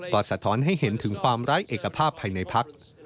ก็สะท้อนให้เห็นถึงความไร้เอกภาพภายในพัก